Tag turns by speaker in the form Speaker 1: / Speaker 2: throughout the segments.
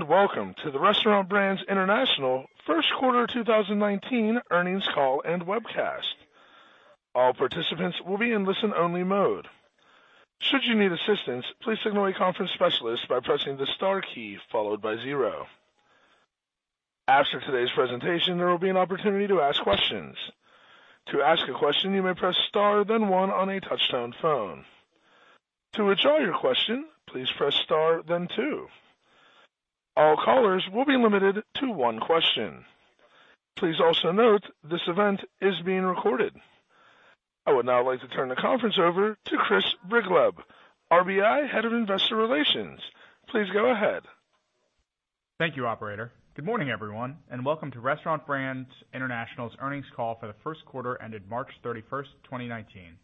Speaker 1: Welcome to the Restaurant Brands International first quarter 2019 earnings call and webcast. All participants will be in listen-only mode. Should you need assistance, please signal a conference specialist by pressing the star key followed by zero. After today's presentation, there will be an opportunity to ask questions. To ask a question, you may press star, then one on a touch-tone phone. To withdraw your question, please press star, then two. All callers will be limited to one question. Please also note this event is being recorded. I would now like to turn the conference over to Chris Brigleb, RBI Head of Investor Relations. Please go ahead.
Speaker 2: Thank you, operator. Good morning, everyone, welcome to Restaurant Brands International's earnings call for the first quarter ended March 31st, 2019.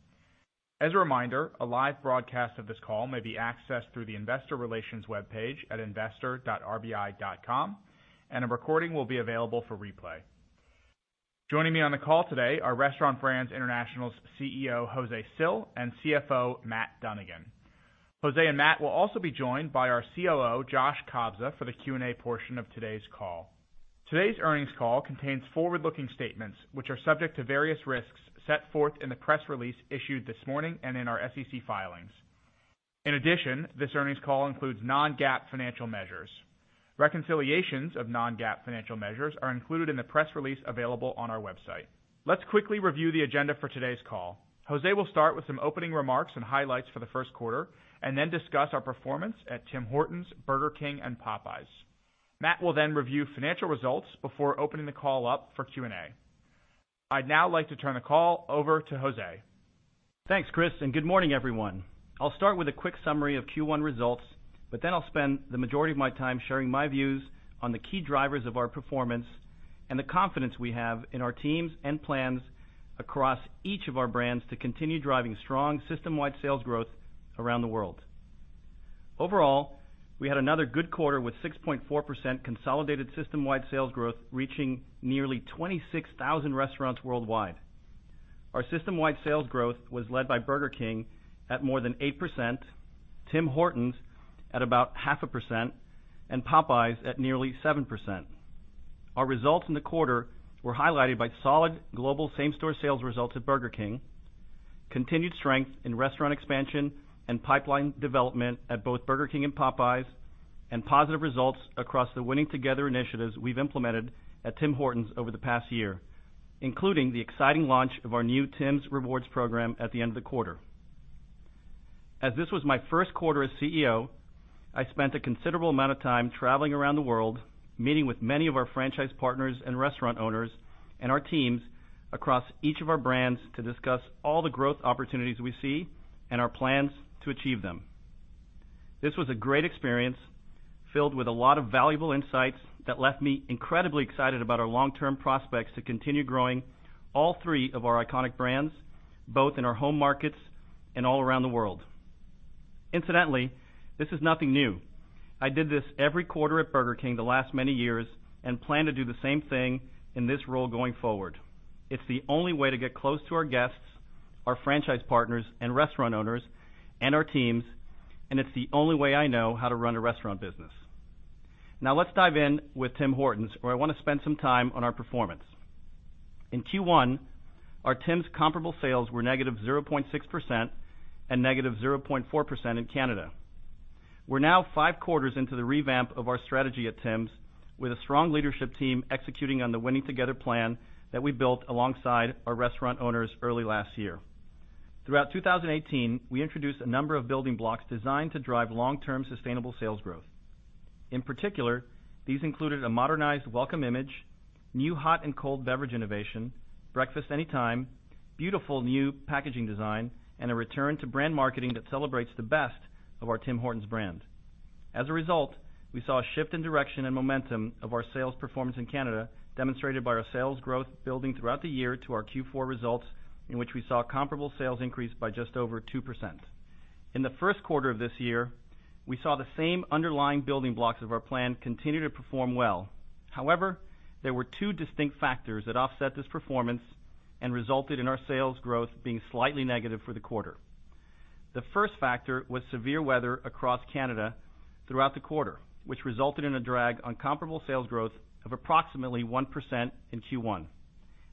Speaker 2: As a reminder, a live broadcast of this call may be accessed through the investor relations webpage at investor.rbi.com, a recording will be available for replay. Joining me on the call today are Restaurant Brands International's CEO, José Cil, and CFO, Matt Dunnigan. Jose and Matt will also be joined by our COO, Josh Kobza, for the Q&A portion of today's call. Today's earnings call contains forward-looking statements, which are subject to various risks set forth in the press release issued this morning and in our SEC filings. In addition, this earnings call includes Non-GAAP financial measures. Reconciliations of Non-GAAP financial measures are included in the press release available on our website. Let's quickly review the agenda for today's call. Jose will start with some opening remarks and highlights for the first quarter discuss our performance at Tim Hortons, Burger King, and Popeyes. Matt will review financial results before opening the call up for Q&A. I'd now like to turn the call over to Jose.
Speaker 3: Thanks, Chris, good morning, everyone. I'll start with a quick summary of Q1 results, I'll spend the majority of my time sharing my views on the key drivers of our performance and the confidence we have in our teams and plans across each of our brands to continue driving strong system-wide sales growth around the world. Overall, we had another good quarter with 6.4% consolidated system-wide sales growth, reaching nearly 26,000 restaurants worldwide. Our system-wide sales growth was led by Burger King at more than 8%, Tim Hortons at about half a percent, Popeyes at nearly 7%. Our results in the quarter were highlighted by solid global same-store sales results at Burger King, continued strength in restaurant expansion and pipeline development at both Burger King and Popeyes, and positive results across the Winning Together initiatives we've implemented at Tim Hortons over the past year, including the exciting launch of our new Tims Rewards program at the end of the quarter. As this was my first quarter as CEO, I spent a considerable amount of time traveling around the world, meeting with many of our franchise partners and restaurant owners and our teams across each of our brands to discuss all the growth opportunities we see and our plans to achieve them. This was a great experience filled with a lot of valuable insights that left me incredibly excited about our long-term prospects to continue growing all three of our iconic brands, both in our home markets and all around the world. Incidentally, this is nothing new. I did this every quarter at Burger King the last many years, and plan to do the same thing in this role going forward. It's the only way to get close to our guests, our franchise partners, and restaurant owners and our teams, and it's the only way I know how to run a restaurant business. Let's dive in with Tim Hortons, where I want to spend some time on our performance. In Q1, our Tims comparable sales were negative 0.6% and negative 0.4% in Canada. We're now five quarters into the revamp of our strategy at Tims, with a strong leadership team executing on the Winning Together plan that we built alongside our restaurant owners early last year. Throughout 2018, we introduced a number of building blocks designed to drive long-term sustainable sales growth. In particular, these included a modernized Welcome Image, new hot and cold beverage innovation, Breakfast Anytime, beautiful new packaging design, and a return to brand marketing that celebrates the best of our Tim Hortons brand. We saw a shift in direction and momentum of our sales performance in Canada, demonstrated by our sales growth building throughout the year to our Q4 results, in which we saw comparable sales increase by just over 2%. In the first quarter of this year, we saw the same underlying building blocks of our plan continue to perform well. There were two distinct factors that offset this performance and resulted in our sales growth being slightly negative for the quarter. The first factor was severe weather across Canada throughout the quarter, which resulted in a drag on comparable sales growth of approximately 1% in Q1.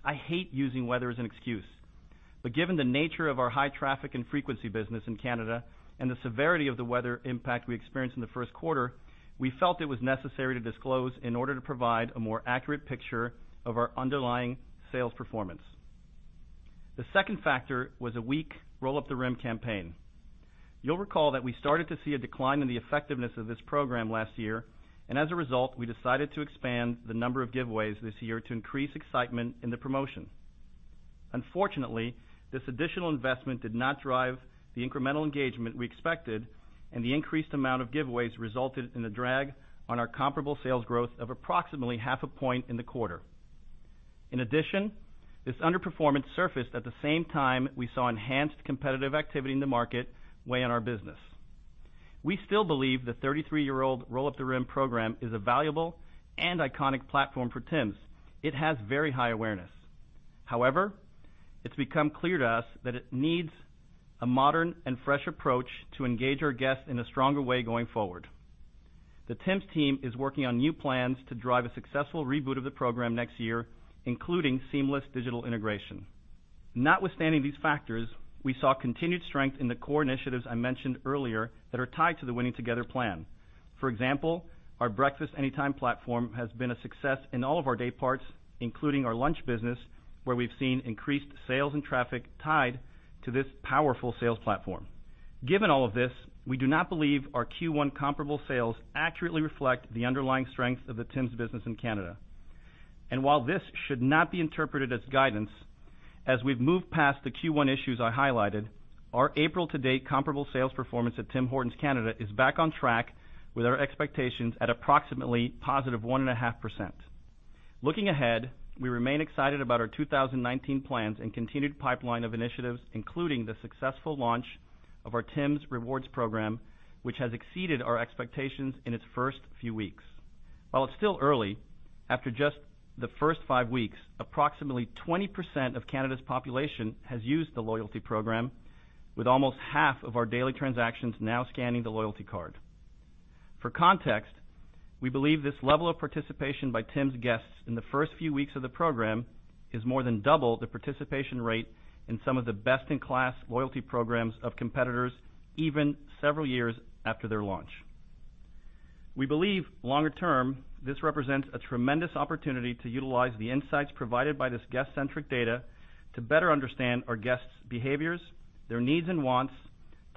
Speaker 3: I hate using weather as an excuse, but given the nature of our high traffic and frequency business in Canada and the severity of the weather impact we experienced in the first quarter, we felt it was necessary to disclose in order to provide a more accurate picture of our underlying sales performance. The second factor was a weak Roll Up The Rim campaign. You'll recall that we started to see a decline in the effectiveness of this program last year, and as a result, we decided to expand the number of giveaways this year to increase excitement in the promotion. Unfortunately, this additional investment did not drive the incremental engagement we expected, and the increased amount of giveaways resulted in a drag on our comparable sales growth of approximately half a point in the quarter. This underperformance surfaced at the same time we saw enhanced competitive activity in the market weigh on our business. We still believe the 33-year-old Roll Up the Rim program is a valuable and iconic platform for Tim's. It has very high awareness. It's become clear to us that it needs a modern and fresh approach to engage our guests in a stronger way going forward. The Tim's team is working on new plans to drive a successful reboot of the program next year, including seamless digital integration. Notwithstanding these factors, we saw continued strength in the core initiatives I mentioned earlier that are tied to the Winning Together plan. Our Breakfast Anytime platform has been a success in all of our day parts, including our lunch business, where we've seen increased sales and traffic tied to this powerful sales platform. We do not believe our Q1 comparable sales accurately reflect the underlying strength of the Tim's business in Canada. While this should not be interpreted as guidance, as we've moved past the Q1 issues I highlighted, our April to date comparable sales performance at Tim Hortons Canada is back on track with our expectations at approximately positive 1.5%. We remain excited about our 2019 plans and continued pipeline of initiatives, including the successful launch of our Tims Rewards program, which has exceeded our expectations in its first few weeks. While it's still early, after just the first five weeks, approximately 20% of Canada's population has used the loyalty program, with almost half of our daily transactions now scanning the loyalty card. We believe this level of participation by Tim's guests in the first few weeks of the program is more than double the participation rate in some of the best-in-class loyalty programs of competitors, even several years after their launch. This represents a tremendous opportunity to utilize the insights provided by this guest-centric data to better understand our guests' behaviors, their needs, and wants,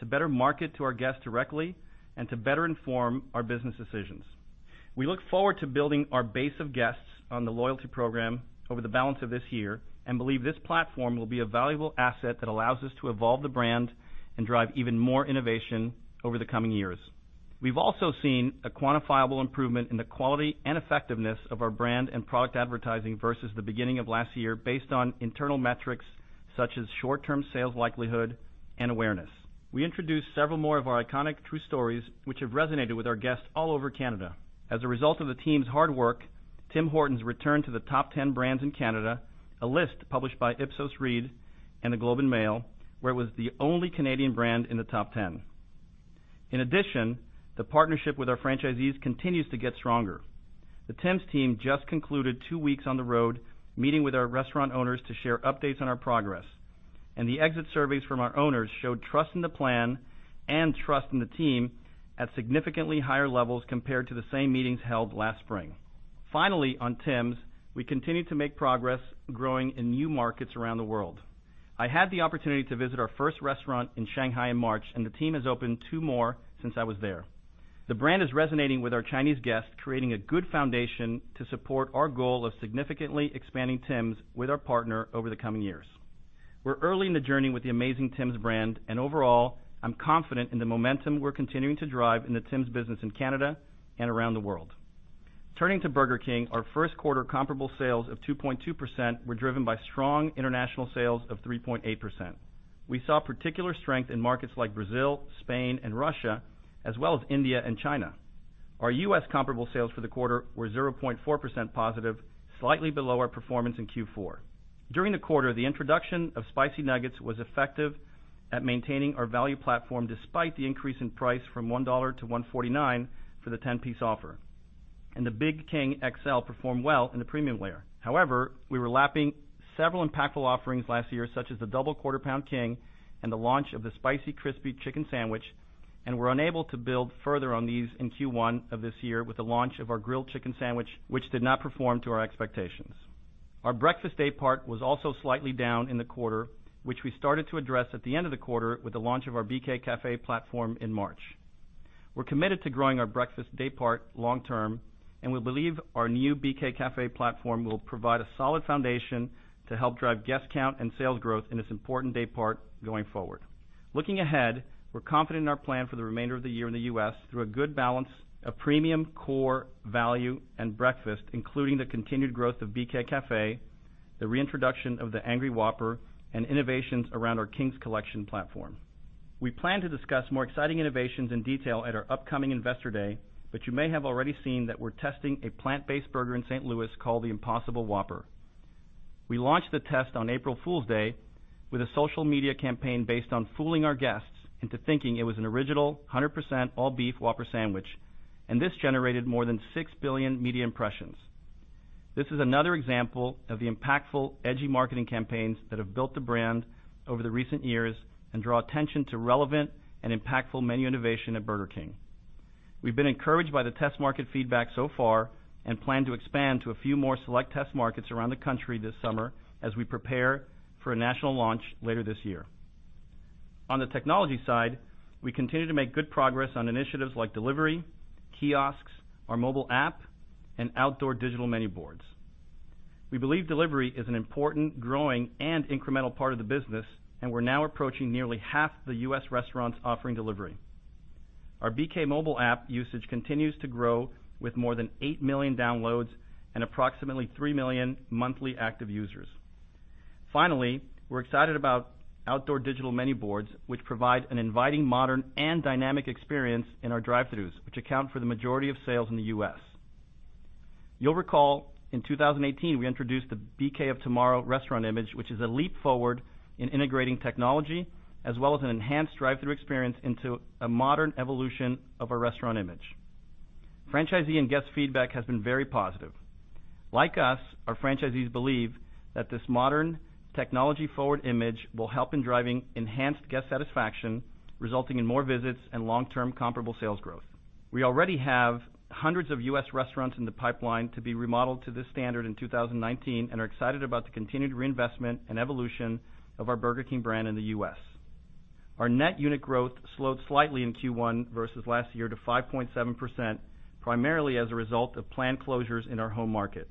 Speaker 3: to better market to our guests directly, and to better inform our business decisions. We look forward to building our base of guests on the loyalty program over the balance of this year. We believe this platform will be a valuable asset that allows us to evolve the brand and drive even more innovation over the coming years. We've also seen a quantifiable improvement in the quality and effectiveness of our brand and product advertising versus the beginning of last year based on internal metrics such as short-term sales likelihood and awareness. We introduced several more of our iconic true stories, which have resonated with our guests all over Canada. Tim Hortons returned to the top 10 brands in Canada, a list published by Ipsos-Reid and The Globe and Mail, where it was the only Canadian brand in the top 10. The partnership with our franchisees continues to get stronger. The Tim's team just concluded two weeks on the road, meeting with our restaurant owners to share updates on our progress, and the exit surveys from our owners showed trust in the plan and trust in the team at significantly higher levels compared to the same meetings held last spring. Finally, on Tim's, we continue to make progress growing in new markets around the world. I had the opportunity to visit our first restaurant in Shanghai in March, and the team has opened two more since I was there. The brand is resonating with our Chinese guests, creating a good foundation to support our goal of significantly expanding Tim's with our partner over the coming years. We're early in the journey with the amazing Tim's brand, and overall, I'm confident in the momentum we're continuing to drive in the Tim's business in Canada and around the world. Turning to Burger King, our first quarter comparable sales of 2.2% were driven by strong international sales of 3.8%. We saw particular strength in markets like Brazil, Spain, and Russia, as well as India and China. Our U.S. comparable sales for the quarter were 0.4% positive, slightly below our performance in Q4. During the quarter, the introduction of spicy nuggets was effective at maintaining our value platform despite the increase in price from $1-$1.49 for the 10 piece offer, and the Big King XL performed well in the premium layer. However, we were lapping several impactful offerings last year, such as the Double Quarter Pound King and the launch of the Spicy Crispy Chicken Sandwich, and were unable to build further on these in Q1 of this year with the launch of our Grilled Chicken Sandwich, which did not perform to our expectations. Our breakfast day part was also slightly down in the quarter, which we started to address at the end of the quarter with the launch of our BK Café platform in March. We're committed to growing our breakfast day part long term, and we believe our new BK Café platform will provide a solid foundation to help drive guest count and sales growth in this important day part going forward. Looking ahead, we're confident in our plan for the remainder of the year in the U.S. through a good balance of premium, core, value, and breakfast, including the continued growth of BK Café, the reintroduction of the Angry Whopper, and innovations around our King's Collection platform. We plan to discuss more exciting innovations in detail at our upcoming Investor Day, but you may have already seen that we're testing a plant-based burger in St. Louis called the Impossible Whopper. We launched the test on April Fools' Day with a social media campaign based on fooling our guests into thinking it was an original 100% all-beef Whopper sandwich, and this generated more than 6 billion media impressions. This is another example of the impactful, edgy marketing campaigns that have built the brand over the recent years and draw attention to relevant and impactful menu innovation at Burger King. We've been encouraged by the test market feedback so far and plan to expand to a few more select test markets around the country this summer as we prepare for a national launch later this year. On the technology side, we continue to make good progress on initiatives like delivery, kiosks, our mobile app, and outdoor digital menu boards. We believe delivery is an important, growing, and incremental part of the business, and we're now approaching nearly half the U.S. restaurants offering delivery. Our BK mobile app usage continues to grow with more than 8 million downloads and approximately 3 million monthly active users. Finally, we're excited about outdoor digital menu boards, which provide an inviting modern and dynamic experience in our drive-throughs, which account for the majority of sales in the U.S. You'll recall, in 2018, we introduced the BK of Tomorrow restaurant image, which is a leap forward in integrating technology as well as an enhanced drive-thru experience into a modern evolution of a restaurant image. Franchisee and guest feedback has been very positive. Like us, our franchisees believe that this modern technology-forward image will help in driving enhanced guest satisfaction, resulting in more visits and long-term comparable sales growth. We already have hundreds of U.S. restaurants in the pipeline to be remodeled to this standard in 2019 and are excited about the continued reinvestment and evolution of our Burger King brand in the U.S. Our net unit growth slowed slightly in Q1 versus last year to 5.7%, primarily as a result of planned closures in our home market.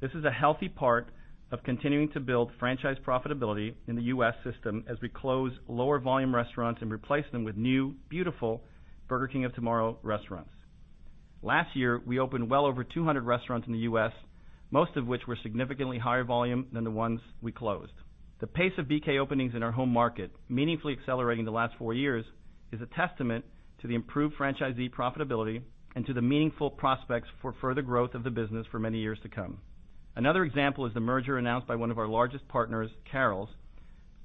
Speaker 3: This is a healthy part of continuing to build franchise profitability in the U.S. system as we close lower volume restaurants and replace them with new, beautiful Burger King of Tomorrow restaurants. Last year, we opened well over 200 restaurants in the U.S., most of which were significantly higher volume than the ones we closed. The pace of BK openings in our home market meaningfully accelerating the last four years is a testament to the improved franchisee profitability and to the meaningful prospects for further growth of the business for many years to come. Another example is the merger announced by one of our largest partners, Carrols,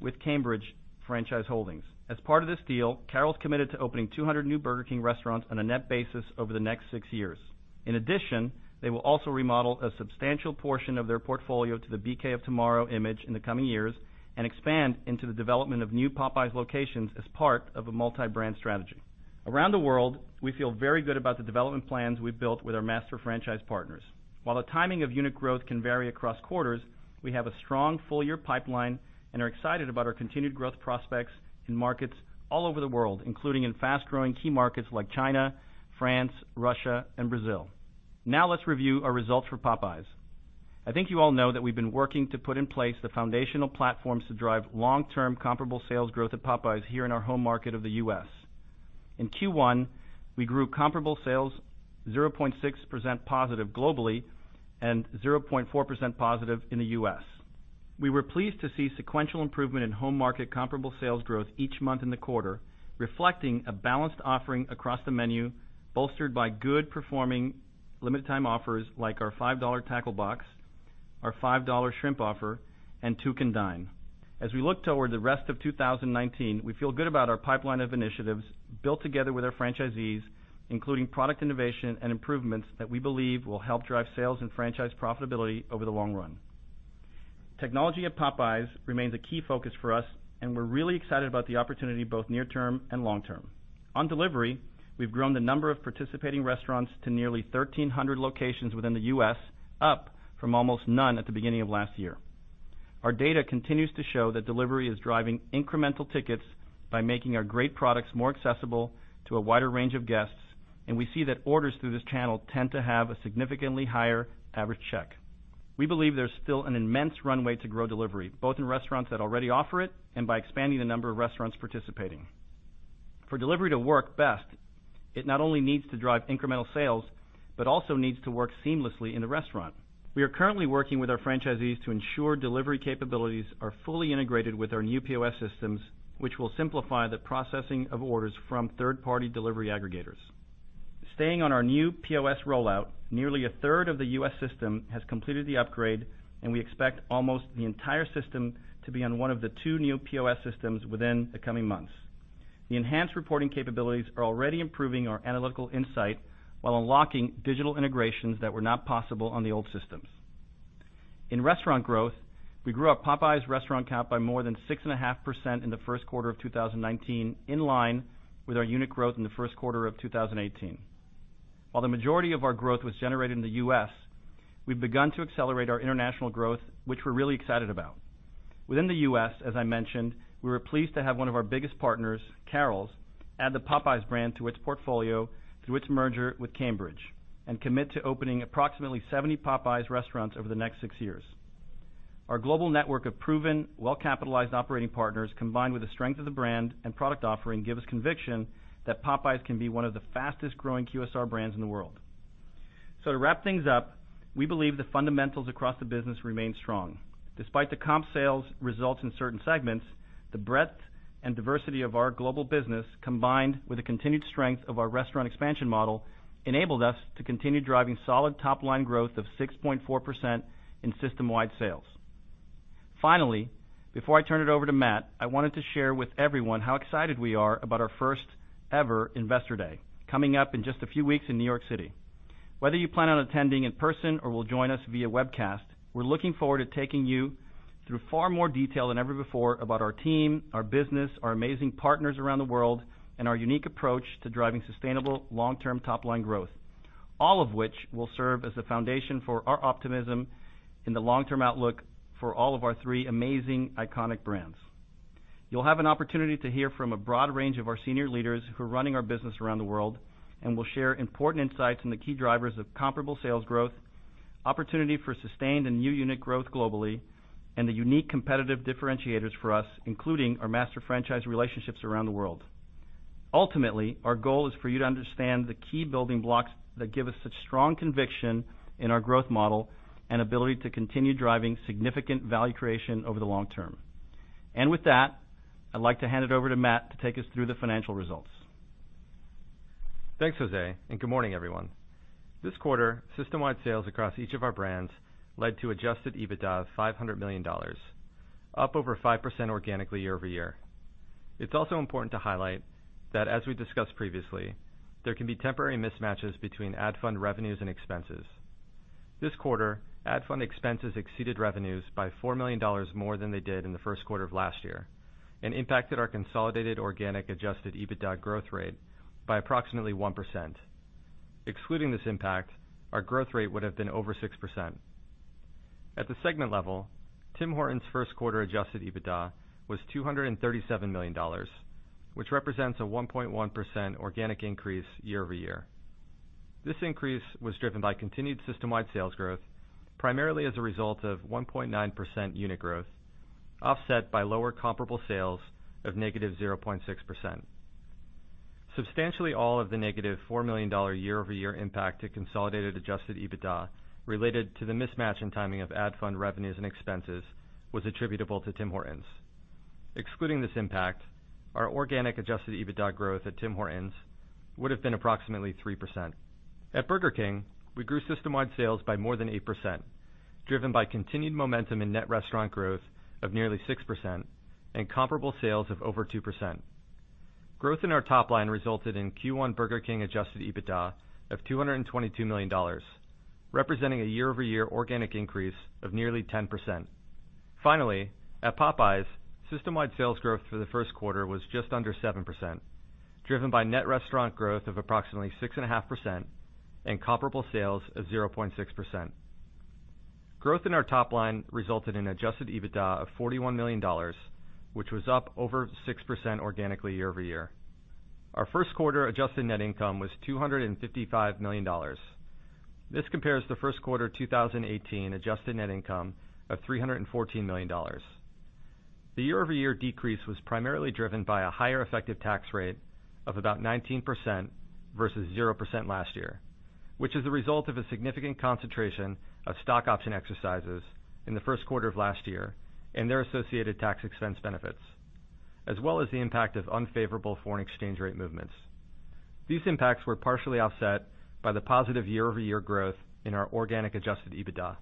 Speaker 3: with Cambridge Franchise Holdings. As part of this deal, Carrols committed to opening 200 new Burger King restaurants on a net basis over the next six years. In addition, they will also remodel a substantial portion of their portfolio to the BK of Tomorrow image in the coming years and expand into the development of new Popeyes locations as part of a multi-brand strategy. Around the world, we feel very good about the development plans we've built with our master franchise partners. While the timing of unit growth can vary across quarters, we have a strong full-year pipeline and are excited about our continued growth prospects in markets all over the world, including in fast-growing key markets like China, France, Russia, and Brazil. Now let's review our results for Popeyes. I think you all know that we've been working to put in place the foundational platforms to drive long-term comparable sales growth at Popeyes here in our home market of the U.S. In Q1, we grew comparable sales 0.6% positive globally and 0.4% positive in the U.S. We were pleased to see sequential improvement in home market comparable sales growth each month in the quarter, reflecting a balanced offering across the menu, bolstered by good performing limited-time offers like our $5 Tackle Box, our $5 shrimp offer, and Two Can Dine. As we look toward the rest of 2019, we feel good about our pipeline of initiatives built together with our franchisees, including product innovation and improvements that we believe will help drive sales and franchise profitability over the long run. Technology at Popeyes remains a key focus for us, and we're really excited about the opportunity, both near-term and long-term. On delivery, we've grown the number of participating restaurants to nearly 1,300 locations within the U.S., up from almost none at the beginning of last year. Our data continues to show that delivery is driving incremental tickets by making our great products more accessible to a wider range of guests, and we see that orders through this channel tend to have a significantly higher average check. We believe there's still an immense runway to grow delivery, both in restaurants that already offer it and by expanding the number of restaurants participating. For delivery to work best, it not only needs to drive incremental sales but also needs to work seamlessly in the restaurant. We are currently working with our franchisees to ensure delivery capabilities are fully integrated with our new POS systems, which will simplify the processing of orders from third-party delivery aggregators. Staying on our new POS rollout, nearly a third of the U.S. system has completed the upgrade, and we expect almost the entire system to be on one of the two new POS systems within the coming months. The enhanced reporting capabilities are already improving our analytical insight while unlocking digital integrations that were not possible on the old systems. In restaurant growth, we grew our Popeyes restaurant count by more than six and a half percent in the first quarter of 2019, in line with our unit growth in the first quarter of 2018. While the majority of our growth was generated in the U.S., we've begun to accelerate our international growth, which we're really excited about. Within the U.S., as I mentioned, we were pleased to have one of our biggest partners, Carrols, add the Popeyes brand to its portfolio through its merger with Cambridge, and commit to opening approximately 70 Popeyes restaurants over the next six years. Our global network of proven, well-capitalized operating partners, combined with the strength of the brand and product offering, give us conviction that Popeyes can be one of the fastest-growing QSR brands in the world. To wrap things up, we believe the fundamentals across the business remain strong. Despite the comp sales results in certain segments, the breadth and diversity of our global business, combined with the continued strength of our restaurant expansion model, enabled us to continue driving solid top-line growth of 6.4% in system-wide sales. Finally, before I turn it over to Matt, I wanted to share with everyone how excited we are about our first-ever Investor Day, coming up in just a few weeks in New York City. Whether you plan on attending in person or will join us via webcast, we're looking forward to taking you through far more detail than ever before about our team, our business, our amazing partners around the world, and our unique approach to driving sustainable long-term top-line growth. All of which will serve as the foundation for our optimism in the long-term outlook for all of our three amazing iconic brands. You'll have an opportunity to hear from a broad range of our senior leaders who are running our business around the world and will share important insights on the key drivers of comparable sales growth, opportunity for sustained and new unit growth globally, and the unique competitive differentiators for us, including our master franchise relationships around the world. Ultimately, our goal is for you to understand the key building blocks that give us such strong conviction in our growth model and ability to continue driving significant value creation over the long term. With that, I'd like to hand it over to Matt to take us through the financial results.
Speaker 4: Thanks, Jose, and good morning, everyone. This quarter, system-wide sales across each of our brands led to adjusted EBITDA of $500 million, up over 5% organically year-over-year. It's also important to highlight that, as we discussed previously, there can be temporary mismatches between ad fund revenues and expenses. This quarter, ad fund expenses exceeded revenues by $4 million more than they did in the first quarter of last year, and impacted our consolidated organic adjusted EBITDA growth rate by approximately 1%. Excluding this impact, our growth rate would have been over 6%. At the segment level, Tim Hortons first quarter adjusted EBITDA was $237 million, which represents a 1.1% organic increase year-over-year. This increase was driven by continued system-wide sales growth, primarily as a result of 1.9% unit growth, offset by lower comparable sales of negative 0.6%. Substantially all of the negative $4 million year-over-year impact to consolidated adjusted EBITDA related to the mismatch in timing of ad fund revenues and expenses was attributable to Tim Hortons. Excluding this impact, our organic adjusted EBITDA growth at Tim Hortons would have been approximately 3%. At Burger King, we grew system-wide sales by more than 8%, driven by continued momentum in net restaurant growth of nearly 6% and comparable sales of over 2%. Growth in our top line resulted in Q1 Burger King adjusted EBITDA of $222 million, representing a year-over-year organic increase of nearly 10%. Finally, at Popeyes, system-wide sales growth for the first quarter was just under 7%, driven by net restaurant growth of approximately 6.5% and comparable sales of 0.6%. Growth in our top line resulted in adjusted EBITDA of $41 million, which was up over 6% organically year-over-year. Our first quarter adjusted net income was $255 million. This compares the first quarter 2018 adjusted net income of $314 million. The year-over-year decrease was primarily driven by a higher effective tax rate of about 19% versus 0% last year, which is the result of a significant concentration of stock option exercises in the first quarter of last year and their associated tax expense benefits, as well as the impact of unfavorable foreign exchange rate movements. These impacts were partially offset by the positive year-over-year growth in our organic adjusted EBITDA.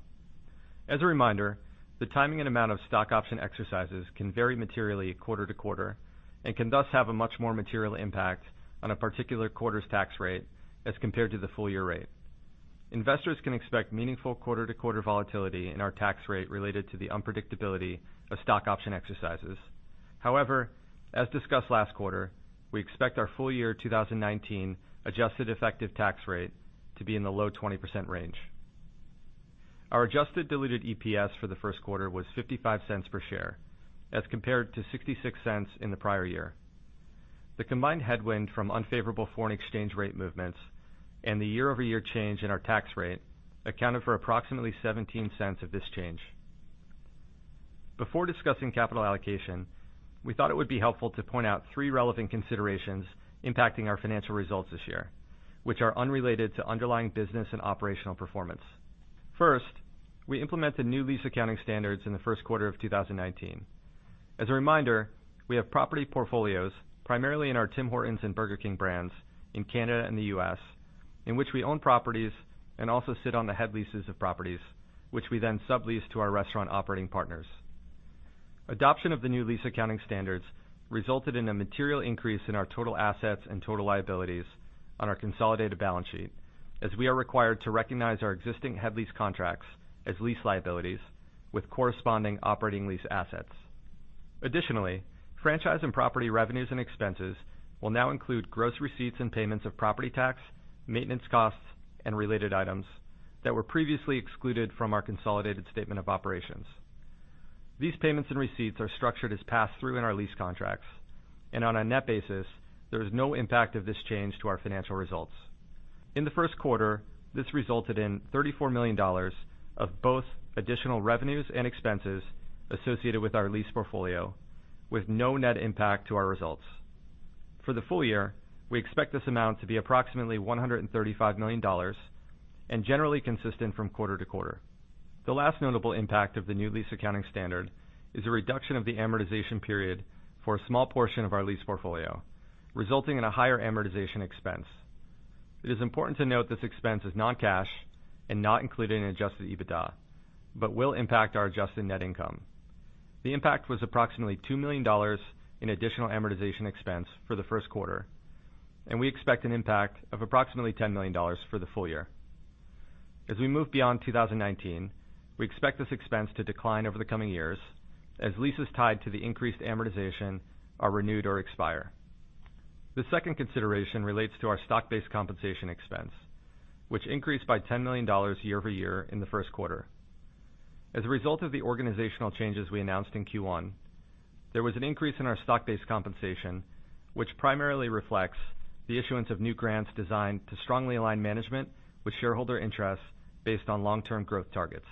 Speaker 4: As a reminder, the timing and amount of stock option exercises can vary materially quarter to quarter and can thus have a much more material impact on a particular quarter's tax rate as compared to the full year rate. Investors can expect meaningful quarter to quarter volatility in our tax rate related to the unpredictability of stock option exercises. However, as discussed last quarter, we expect our full year 2019 adjusted effective tax rate to be in the low 20% range. Our adjusted diluted EPS for the first quarter was $0.55 per share as compared to $0.66 in the prior year. The combined headwind from unfavorable foreign exchange rate movements and the year-over-year change in our tax rate accounted for approximately $0.17 of this change. Before discussing capital allocation, we thought it would be helpful to point out three relevant considerations impacting our financial results this year, which are unrelated to underlying business and operational performance. First, we implemented new lease accounting standards in the first quarter of 2019. As a reminder, we have property portfolios, primarily in our Tim Hortons and Burger King brands in Canada and the U.S., in which we own properties and also sit on the head leases of properties, which we then sublease to our restaurant operating partners. Adoption of the new lease accounting standards resulted in a material increase in our total assets and total liabilities on our consolidated balance sheet, as we are required to recognize our existing head lease contracts as lease liabilities with corresponding operating lease assets. Additionally, franchise and property revenues and expenses will now include gross receipts and payments of property tax, maintenance costs, and related items that were previously excluded from our consolidated statement of operations. These payments and receipts are structured as pass-through in our lease contracts, and on a net basis, there is no impact of this change to our financial results. In the first quarter, this resulted in $34 million of both additional revenues and expenses associated with our lease portfolio with no net impact to our results. For the full year, we expect this amount to be approximately $135 million and generally consistent from quarter to quarter. The last notable impact of the new lease accounting standard is a reduction of the amortization period for a small portion of our lease portfolio, resulting in a higher amortization expense. It is important to note this expense is non-cash and not included in adjusted EBITDA but will impact our adjusted net income. The impact was approximately $2 million in additional amortization expense for the first quarter, and we expect an impact of approximately $10 million for the full year. As we move beyond 2019, we expect this expense to decline over the coming years as leases tied to the increased amortization are renewed or expire. The second consideration relates to our stock-based compensation expense, which increased by $10 million year-over-year in the first quarter. As a result of the organizational changes we announced in Q1, there was an increase in our stock-based compensation, which primarily reflects the issuance of new grants designed to strongly align management with shareholder interests based on long-term growth targets.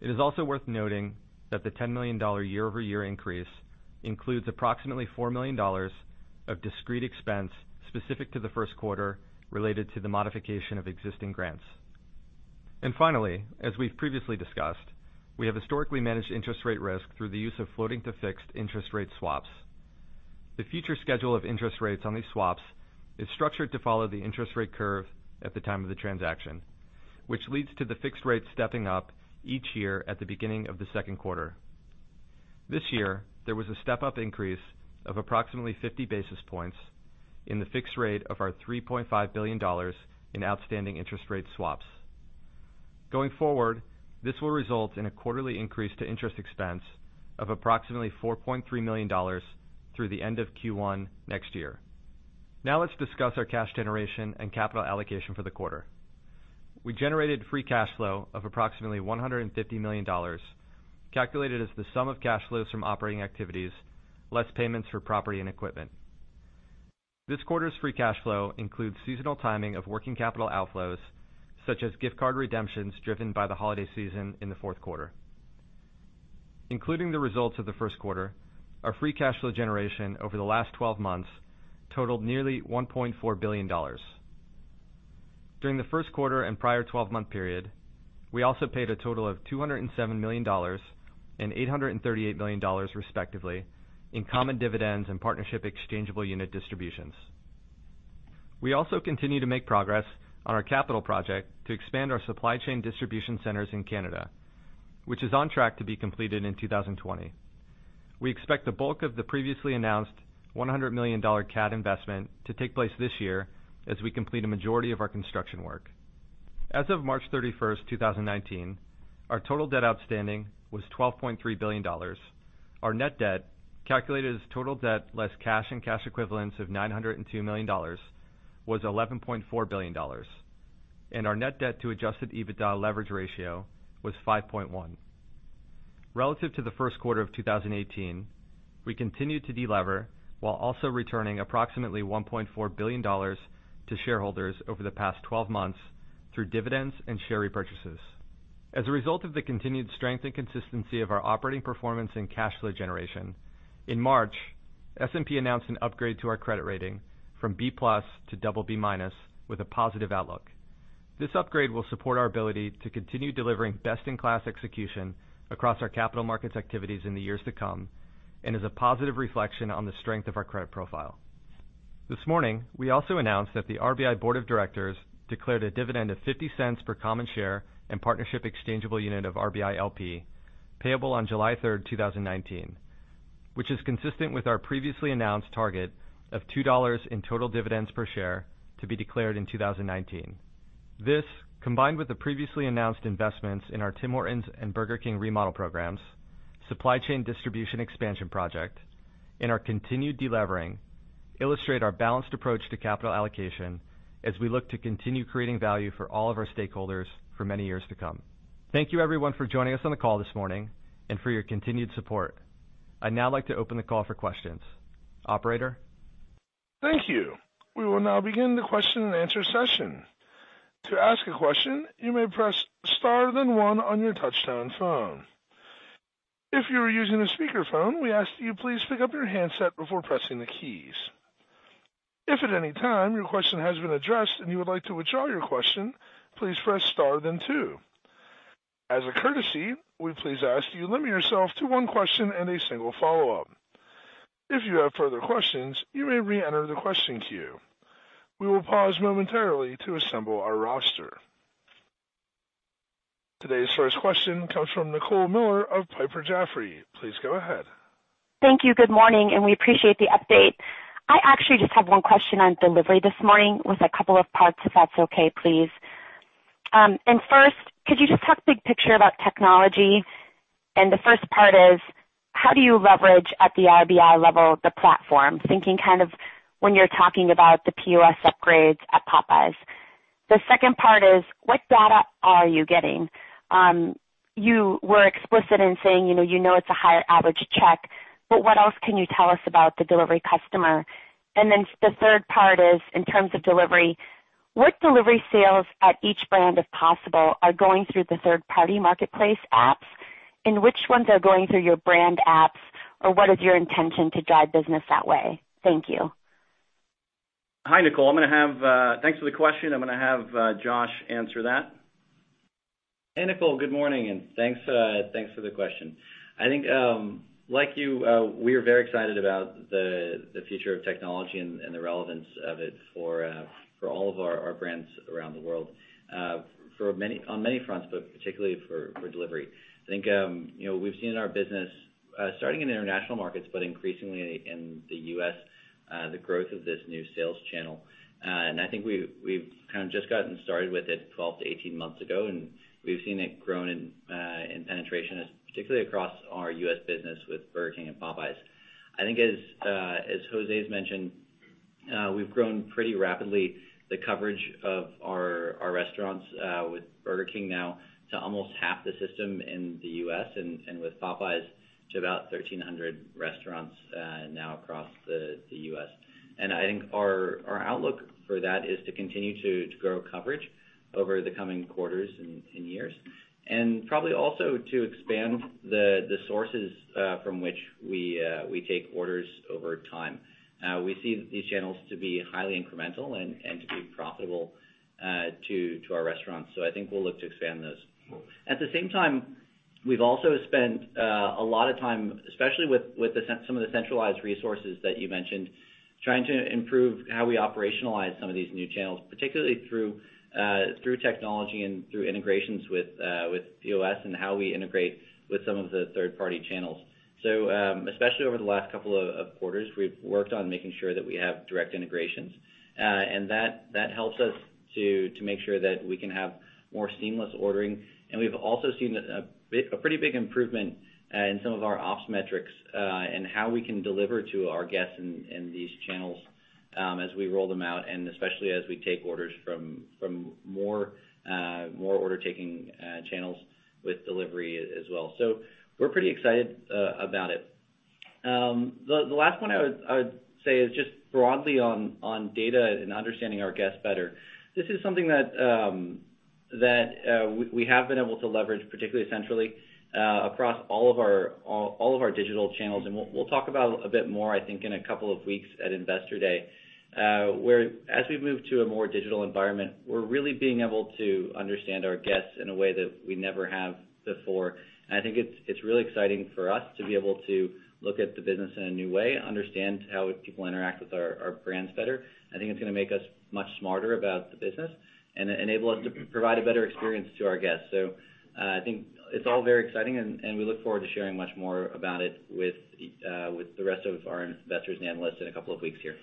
Speaker 4: It is also worth noting that the $10 million year-over-year increase includes approximately $4 million of discrete expense specific to the first quarter related to the modification of existing grants. Finally, as we've previously discussed, we have historically managed interest rate risk through the use of floating to fixed interest rate swaps. The future schedule of interest rates on these swaps is structured to follow the interest rate curve at the time of the transaction, which leads to the fixed rate stepping up each year at the beginning of the second quarter. This year, there was a step-up increase of approximately 50 basis points in the fixed rate of our $3.5 billion in outstanding interest rate swaps. Going forward, this will result in a quarterly increase to interest expense of approximately $4.3 million through the end of Q1 next year. Now let's discuss our cash generation and capital allocation for the quarter. We generated free cash flow of approximately $150 million, calculated as the sum of cash flows from operating activities, less payments for property and equipment. This quarter's free cash flow includes seasonal timing of working capital outflows, such as gift card redemptions driven by the holiday season in the fourth quarter. Including the results of the first quarter, our free cash flow generation over the last 12 months totaled nearly $1.4 billion. During the first quarter and prior 12-month period, we also paid a total of $207 million and $838 million, respectively, in common dividends and partnership exchangeable unit distributions. We also continue to make progress on our capital project to expand our supply chain distribution centers in Canada, which is on track to be completed in 2020. We expect the bulk of the previously announced 100 million CAD investment to take place this year as we complete a majority of our construction work. As of March 31st, 2019, our total debt outstanding was $12.3 billion. Our net debt, calculated as total debt less cash and cash equivalents of $902 million, was $11.4 billion. Our net debt to adjusted EBITDA leverage ratio was 5.1. Relative to the first quarter of 2018, we continued to de-lever while also returning approximately $1.4 billion to shareholders over the past 12 months through dividends and share repurchases. As a result of the continued strength and consistency of our operating performance and cash flow generation, in March, S&P announced an upgrade to our credit rating from B+ to double B- with a positive outlook. This upgrade will support our ability to continue delivering best-in-class execution across our capital markets activities in the years to come and is a positive reflection on the strength of our credit profile. This morning, we also announced that the RBI board of directors declared a dividend of $0.50 per common share and partnership exchangeable unit of RBI LP, payable on July 3rd, 2019, which is consistent with our previously announced target of $2 in total dividends per share to be declared in 2019. This, combined with the previously announced investments in our Tim Hortons and Burger King remodel programs, supply chain distribution expansion project, and our continued de-levering, illustrate our balanced approach to capital allocation as we look to continue creating value for all of our stakeholders for many years to come. Thank you, everyone, for joining us on the call this morning and for your continued support. I'd now like to open the call for questions. Operator?
Speaker 1: Thank you. We will now begin the question and answer session. To ask a question, you may press star then one on your touch-tone phone. If you are using a speakerphone, we ask that you please pick up your handset before pressing the keys. If at any time your question has been addressed and you would like to withdraw your question, please press star then two. As a courtesy, we please ask that you limit yourself to one question and a single follow-up. If you have further questions, you may re-enter the question queue. We will pause momentarily to assemble our roster. Today's first question comes from Nicole Miller of Piper Jaffray. Please go ahead.
Speaker 5: Thank you. Good morning, we appreciate the update. I actually just have one question on delivery this morning with a couple of parts, if that's okay, please. First, could you just talk big picture about technology? The first part is, how do you leverage at the RBI level the platform, thinking kind of when you're talking about the POS upgrades at Popeyes. The second part is, what data are you getting? You know it's a higher average check, but what else can you tell us about the delivery customer? Then the third part is, in terms of delivery, what delivery sales at each brand, if possible, are going through the third-party marketplace apps, and which ones are going through your brand apps, or what is your intention to drive business that way? Thank you.
Speaker 4: Hi, Nicole. Thanks for the question. I'm going to have Josh answer that.
Speaker 6: Hey, Nicole, good morning, thanks for the question. I think, like you, we are very excited about the future of technology and the relevance of it for all of our brands around the world on many fronts, but particularly for delivery. I think we've seen our business starting in international markets, but increasingly in the U.S., the growth of this new sales channel, and I think we've kind of just gotten started with it 12 months-18 months ago, and we've seen it grown in penetration, particularly across our U.S. business with Burger King and Popeyes. I think as José's mentioned, we've grown pretty rapidly the coverage of our restaurants with Burger King now to almost half the system in the U.S. and with Popeyes to about 1,300 restaurants now across the U.S. I think our outlook for that is to continue to grow coverage over the coming quarters and years, and probably also to expand the sources from which we take orders over time. We see these channels to be highly incremental and to be profitable to our restaurants, so I think we'll look to expand those. At the same time, we've also spent a lot of time, especially with some of the centralized resources that you mentioned, trying to improve how we operationalize some of these new channels, particularly through technology and through integrations with POS and how we integrate with some of the third-party channels. Especially over the last couple of quarters, we've worked on making sure that we have direct integrations. That helps us to make sure that we can have more seamless ordering. We've also seen a pretty big improvement in some of our ops metrics in how we can deliver to our guests in these channels as we roll them out, and especially as we take orders from more order-taking channels with delivery as well. We're pretty excited about it. The last one I would say is just broadly on data and understanding our guests better. This is something that we have been able to leverage, particularly centrally, across all of our digital channels, and we'll talk about a bit more, I think, in a couple of weeks at Investor Day, where as we move to a more digital environment, we're really being able to understand our guests in a way that we never have before. I think it's really exciting for us to be able to look at the business in a new way, understand how people interact with our brands better. I think it's going to make us much smarter about the business and enable us to provide a better experience to our guests. I think it's all very exciting, and we look forward to sharing much more about it with the rest of our investors and analysts in a couple of weeks here.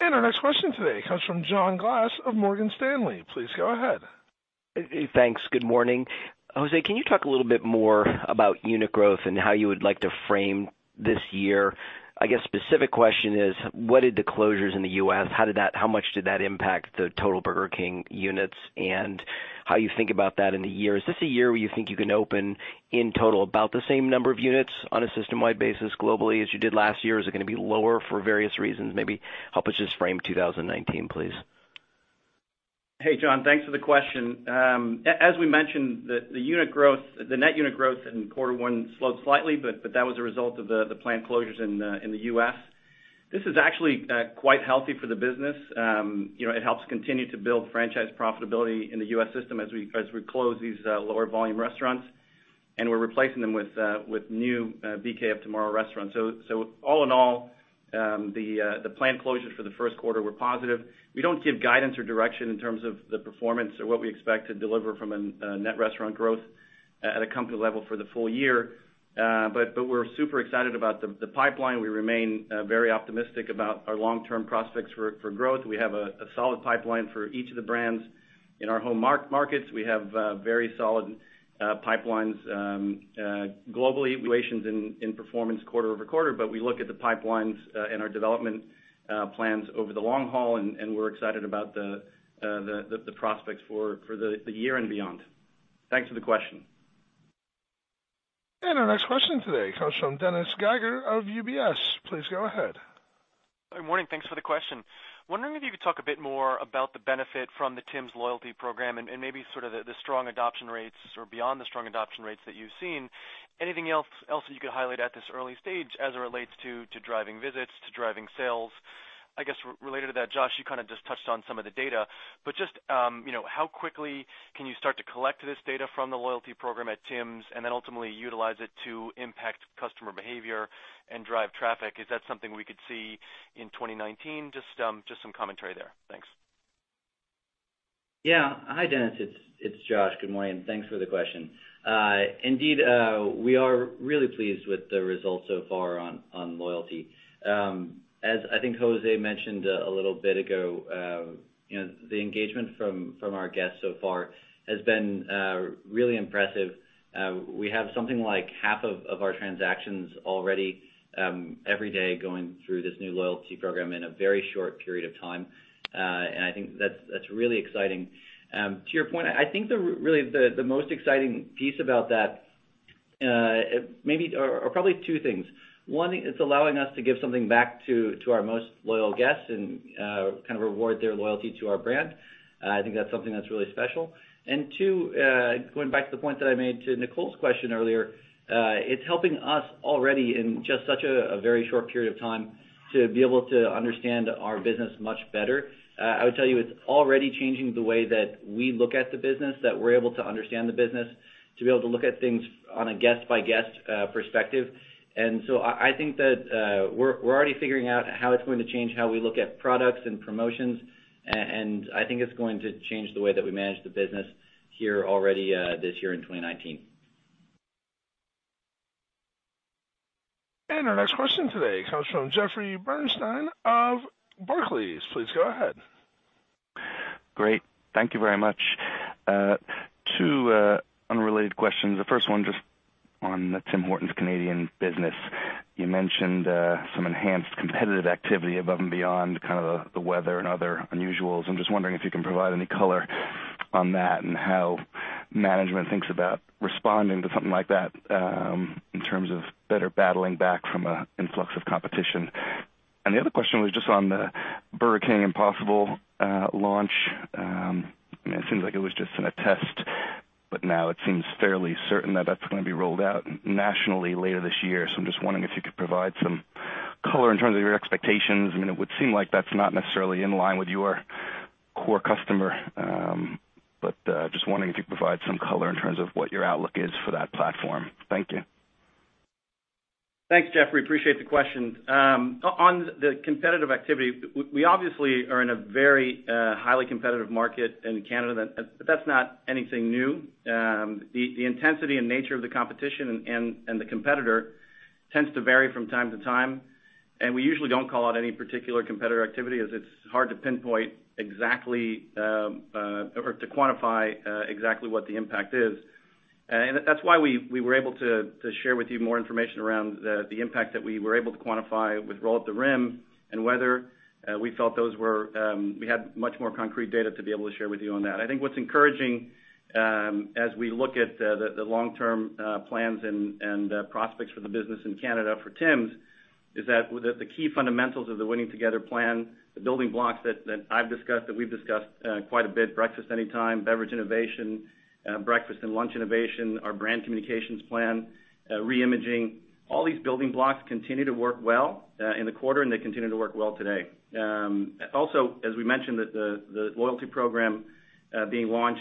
Speaker 1: Our next question today comes from John Glass of Morgan Stanley. Please go ahead.
Speaker 7: Thanks. Good morning. Jose, can you talk a little bit more about unit growth and how you would like to frame this year? I guess specific question is, what did the closures in the U.S., how much did that impact the total Burger King units, and how you think about that in the year. Is this a year where you think you can open in total about the same number of units on a system-wide basis globally as you did last year? Is it going to be lower for various reasons, maybe? Help us just frame 2019, please.
Speaker 3: Hey, John. Thanks for the question. As we mentioned, the net unit growth in quarter one slowed slightly, that was a result of the planned closures in the U.S. This is actually quite healthy for the business. It helps continue to build franchise profitability in the U.S. system as we close these lower volume restaurants, and we're replacing them with new BK of Tomorrow restaurants. All in all, the planned closures for the first quarter were positive. We don't give guidance or direction in terms of the performance or what we expect to deliver from a net restaurant growth at a company level for the full year. We're super excited about the pipeline. We remain very optimistic about our long-term prospects for growth. We have a solid pipeline for each of the brands in our home markets. We have very solid pipelines globally. In performance quarter-over-quarter. We look at the pipelines and our development plans over the long haul, and we're excited about the prospects for the year and beyond. Thanks for the question.
Speaker 1: Our next question today comes from Dennis Geiger of UBS. Please go ahead.
Speaker 8: Good morning. Thanks for the question. Wondering if you could talk a bit more about the benefit from the Tims Rewards program and maybe sort of the strong adoption rates or beyond the strong adoption rates that you've seen. Anything else that you could highlight at this early stage as it relates to driving visits, to driving sales? I guess related to that, Josh, you kind of just touched on some of the data, but just how quickly can you start to collect this data from the Tims Rewards program at Tim's and then ultimately utilize it to impact customer behavior and drive traffic? Is that something we could see in 2019? Just some commentary there. Thanks.
Speaker 6: Hi, Dennis. It's Josh. Good morning. Thanks for the question. Indeed, we are really pleased with the results so far on Tims Rewards. As I think José mentioned a little bit ago, the engagement from our guests so far has been really impressive. We have something like half of our transactions already every day going through this new Tims Rewards program in a very short period of time. I think that's really exciting. To your point, I think really the most exciting piece about that, maybe or probably two things. One, it's allowing us to give something back to our most loyal guests and kind of reward their loyalty to our brand. I think that's something that's really special. Two, going back to the point that I made to Nicole's question earlier, it's helping us already in just such a very short period of time to be able to understand our business much better. I would tell you it's already changing the way that we look at the business, that we're able to understand the business, to be able to look at things on a guest-by-guest perspective. I think that we're already figuring out how it's going to change how we look at products and promotions, and I think it's going to change the way that we manage the business here already this year in 2019.
Speaker 1: Our next question today comes from Jeffrey Bernstein of Barclays. Please go ahead.
Speaker 9: Great. Thank you very much. Two unrelated questions. The first one, just on the Tim Hortons Canadian business. You mentioned some enhanced competitive activity above and beyond kind of the weather and other unusuals. I'm just wondering if you can provide any color on that and how management thinks about responding to something like that in terms of better battling back from an influx of competition. The other question was just on the Burger King Impossible launch. It seems like it was just in a test, but now it seems fairly certain that that's going to be rolled out nationally later this year. I'm just wondering if you could provide some color in terms of your expectations. It would seem like that's not necessarily in line with your core customer. Just wondering if you could provide some color in terms of what your outlook is for that platform. Thank you.
Speaker 3: Thanks, Jeffrey. Appreciate the question. On the competitive activity, we obviously are in a very highly competitive market in Canada. That's not anything new. The intensity and nature of the competition and the competitor tends to vary from time to time. We usually don't call out any particular competitor activity as it's hard to pinpoint exactly or to quantify exactly what the impact is. That's why we were able to share with you more information around the impact that we were able to quantify with Roll Up The Rim, whether we felt we had much more concrete data to be able to share with you on that. I think what's encouraging, as we look at the long-term plans and prospects for the business in Canada for Tim's, is that the key fundamentals of the Winning Together plan, the building blocks that I've discussed, that we've discussed quite a bit, Breakfast Anytime, beverage innovation, breakfast and lunch innovation, our brand communications plan, re-imaging, all these building blocks continue to work well in the quarter. They continue to work well today. As we mentioned, the loyalty program being launched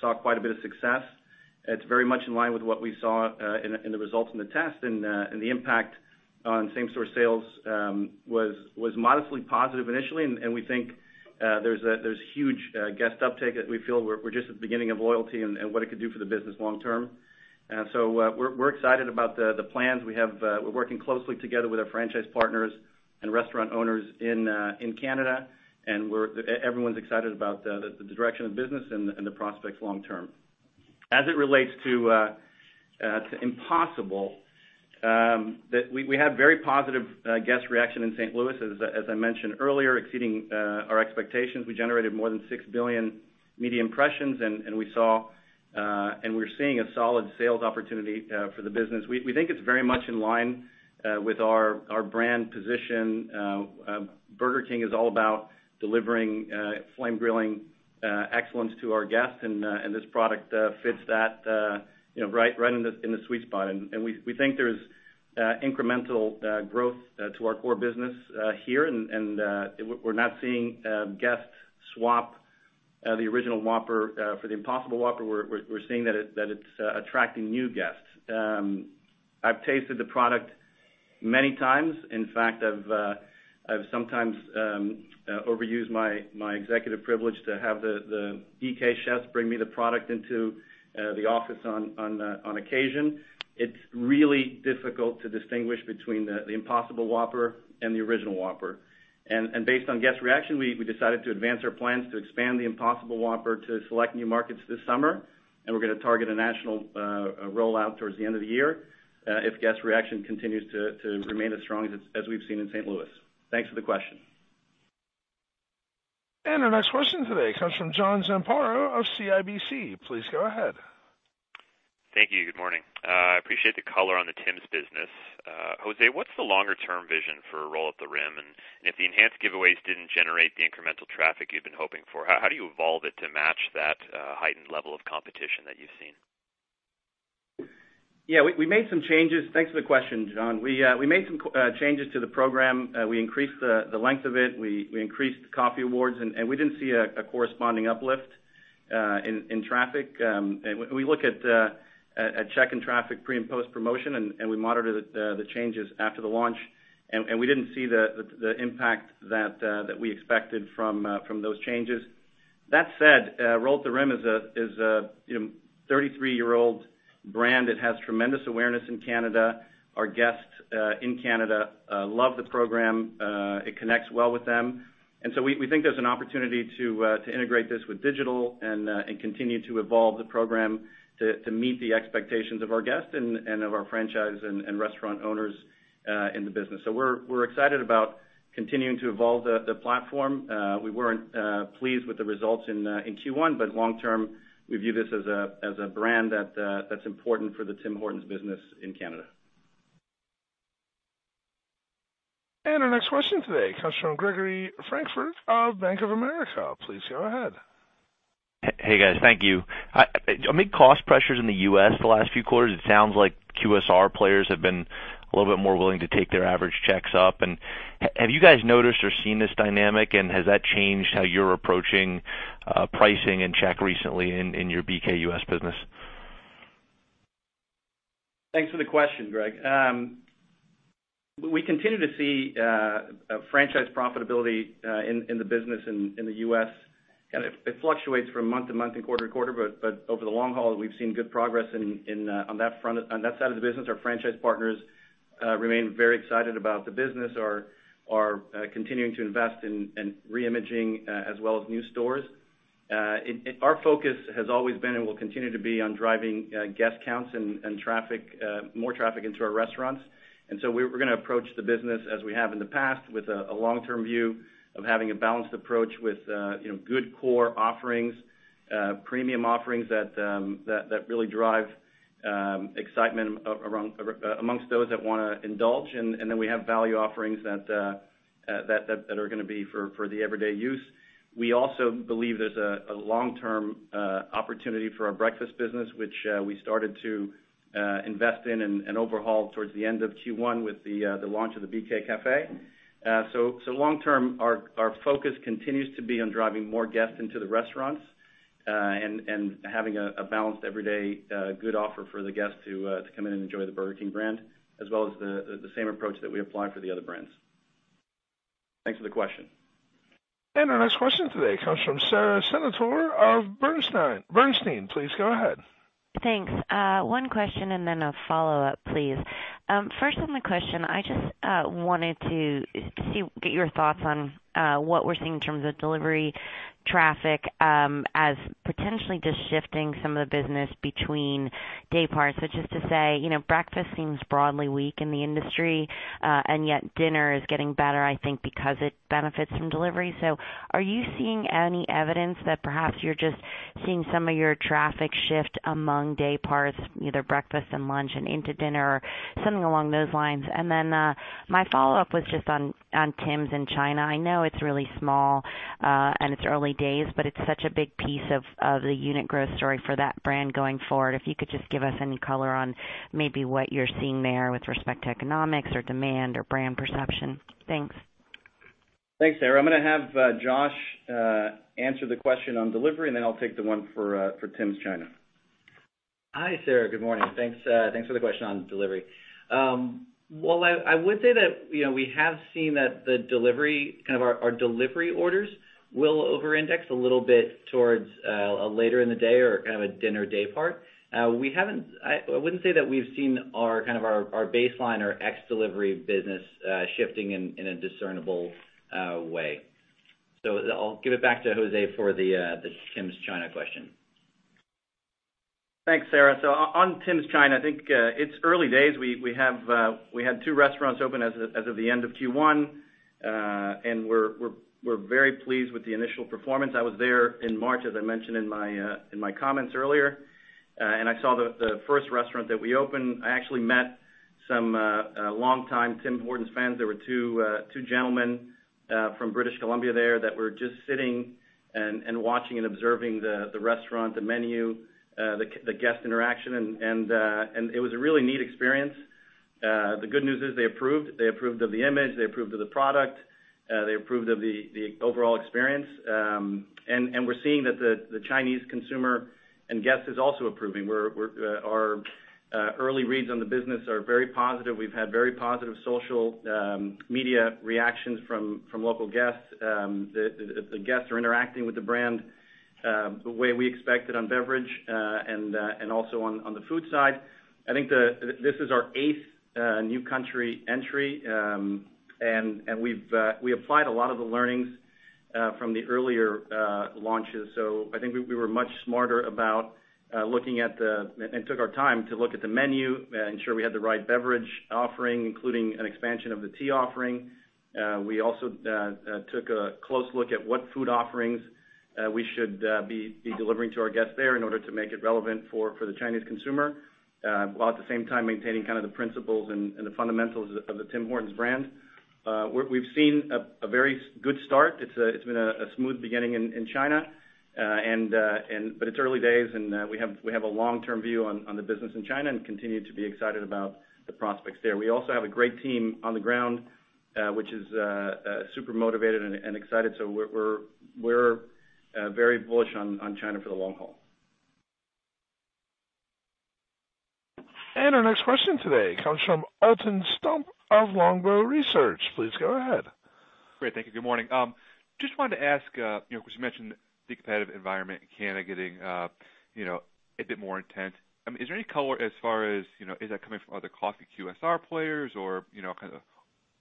Speaker 3: saw quite a bit of success. It's very much in line with what we saw in the results in the test. The impact on same store sales was modestly positive initially. We think there's huge guest uptake that we feel we're just at the beginning of loyalty and what it could do for the business long term. We're excited about the plans we have. We're working closely together with our franchise partners and restaurant owners in Canada. Everyone's excited about the direction of the business and the prospects long term. As it relates to Impossible, we had very positive guest reaction in St. Louis, as I mentioned earlier, exceeding our expectations. We generated more than 6 billion media impressions, and we're seeing a solid sales opportunity for the business. We think it's very much in line with our brand position. Burger King is all about delivering flame grilling excellence to our guests, and this product fits that right in the sweet spot. We think there's incremental growth to our core business here, and we're not seeing guests swap the original Whopper for the Impossible Whopper. We're seeing that it's attracting new guests. I've tasted the product many times. In fact, I've sometimes overused my executive privilege to have the BK chefs bring me the product into the office on occasion. It's really difficult to distinguish between the Impossible Whopper and the original Whopper. Based on guest reaction, we decided to advance our plans to expand the Impossible Whopper to select new markets this summer. We're going to target a national rollout towards the end of the year if guest reaction continues to remain as strong as we've seen in St. Louis. Thanks for the question.
Speaker 1: Our next question today comes from John Zamparo of CIBC. Please go ahead.
Speaker 10: Thank you. Good morning. I appreciate the color on the Tim's business. José, what's the longer-term vision for Roll Up The Rim? If the enhanced giveaways didn't generate the incremental traffic you've been hoping for, how do you evolve it to match that heightened level of competition that you've seen?
Speaker 3: Yeah, we made some changes. Thanks for the question, John. We made some changes to the program. We increased the length of it. We increased the coffee awards, we didn't see a corresponding uplift in traffic. We look at check-in traffic pre and post-promotion, we monitor the changes after the launch, we didn't see the impact that we expected from those changes. That said, Roll Up The Rim is a 33-year-old brand. It has tremendous awareness in Canada. Our guests in Canada love the program. It connects well with them. We think there's an opportunity to integrate this with digital and continue to evolve the program to meet the expectations of our guests and of our franchise and restaurant owners in the business. We're excited about continuing to evolve the platform. We weren't pleased with the results in Q1, long term, we view this as a brand that's important for the Tim Hortons business in Canada.
Speaker 1: Our next question today comes from Gregory Francfort of Bank of America. Please go ahead.
Speaker 11: Hey, guys. Thank you. Amid cost pressures in the U.S. the last few quarters, it sounds like QSR players have been a little bit more willing to take their average checks up. Have you guys noticed or seen this dynamic, and has that changed how you're approaching pricing and check recently in your BK U.S. business?
Speaker 3: Thanks for the question, Greg. We continue to see franchise profitability in the business in the U.S. It fluctuates from month to month and quarter to quarter, but over the long haul, we've seen good progress on that side of the business. Our franchise partners remain very excited about the business, are continuing to invest in re-imaging as well as new stores. Our focus has always been and will continue to be on driving guest counts and more traffic into our restaurants. We're going to approach the business as we have in the past with a long-term view of having a balanced approach with good core offerings, premium offerings that really drive excitement amongst those that want to indulge. We have value offerings that are going to be for the everyday use. We also believe there's a long-term opportunity for our breakfast business, which we started to invest in and overhaul towards the end of Q1 with the launch of the BK Café. Long-term, our focus continues to be on driving more guests into the restaurants, and having a balanced everyday good offer for the guests to come in and enjoy the Burger King brand, as well as the same approach that we apply for the other brands. Thanks for the question.
Speaker 1: Our next question today comes from Sara Senatore of Bernstein. Please go ahead.
Speaker 12: Thanks. One question and then a follow-up, please. First on the question, I just wanted to get your thoughts on what we're seeing in terms of delivery traffic, as potentially just shifting some of the business between day parts. Just to say, breakfast seems broadly weak in the industry, and yet dinner is getting better, I think because it benefits from delivery. Are you seeing any evidence that perhaps you're just seeing some of your traffic shift among day parts, either breakfast and lunch and into dinner, or something along those lines? My follow-up was just on Tim's in China. I know it's really small, and it's early days, but it's such a big piece of the unit growth story for that brand going forward. If you could just give us any color on maybe what you're seeing there with respect to economics or demand or brand perception. Thanks.
Speaker 3: Thanks, Sara. I'm going to have Josh answer the question on delivery, and then I'll take the one for Tim's China.
Speaker 6: Hi, Sara. Good morning. Thanks for the question on delivery. Well, I would say that we have seen that our delivery orders will over-index a little bit towards later in the day or a dinner day part. I wouldn't say that we've seen our baseline or ex-delivery business shifting in a discernible way. I'll give it back to José for the Tim's China question.
Speaker 3: Thanks, Sara. On Tim's China, I think it's early days. We had two restaurants open as of the end of Q1, and we're very pleased with the initial performance. I was there in March, as I mentioned in my comments earlier, and I saw the first restaurant that we opened. I actually met some longtime Tim Hortons fans. There were two gentlemen from British Columbia there that were just sitting and watching and observing the restaurant, the menu, the guest interaction, and it was a really neat experience. The good news is they approved. They approved of the image, they approved of the product, they approved of the overall experience. We're seeing that the Chinese consumer and guest is also approving. Our early reads on the business are very positive. We've had very positive social media reactions from local guests. The guests are interacting with the brand the way we expected on beverage, and also on the food side. I think this is our eighth new country entry, and we applied a lot of the learnings from the earlier launches. I think we were much smarter about looking at the menu, ensure we had the right beverage offering, including an expansion of the tea offering. We also took a close look at what food offerings we should be delivering to our guests there in order to make it relevant for the Chinese consumer, while at the same time maintaining the principles and the fundamentals of the Tim Hortons brand. We've seen a very good start. It's been a smooth beginning in China. It's early days and we have a long-term view on the business in China and continue to be excited about the prospects there. We also have a great team on the ground, which is super motivated and excited. We're very bullish on China for the long haul.
Speaker 1: Our next question today comes from Alton Stump of Longbow Research. Please go ahead.
Speaker 13: Great. Thank you. Good morning. Just wanted to ask, because you mentioned the competitive environment in Canada getting a bit more intense. Is there any color as far as, is that coming from other coffee QSR players or, kind of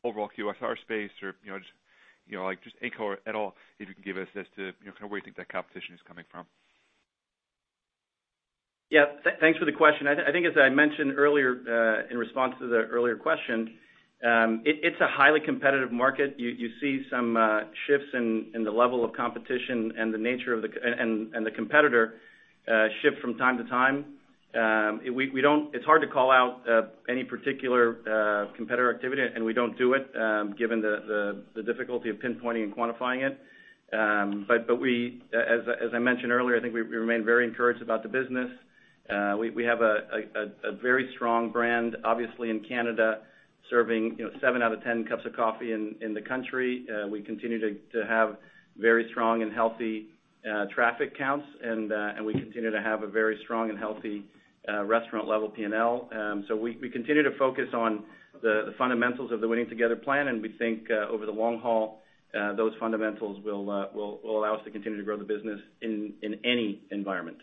Speaker 13: overall QSR space, or just any color at all, if you can give us as to, kind of where you think that competition is coming from?
Speaker 3: Thanks for the question. I think as I mentioned earlier, in response to the earlier question, it's a highly competitive market. You see some shifts in the level of competition and the nature and the competitor shift from time to time. It's hard to call out any particular competitor activity, and we don't do it, given the difficulty of pinpointing and quantifying it. As I mentioned earlier, I think we remain very encouraged about the business. We have a very strong brand, obviously, in Canada, serving seven out of 10 cups of coffee in the country. We continue to have very strong and healthy traffic counts, and we continue to have a very strong and healthy restaurant level P&L. We continue to focus on the fundamentals of the Winning Together plan, and we think over the long haul, those fundamentals will allow us to continue to grow the business in any environment.